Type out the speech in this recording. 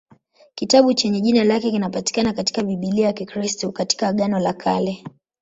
Kitabu chenye jina lake kinapatikana katika Biblia ya Kikristo katika Agano la Kale.